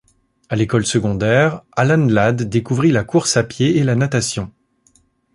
À l'école secondaire, Alan Ladd découvrit la course à pied et la natation.